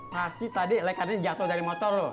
pasti tadi lekarannya jatuh dari motor lo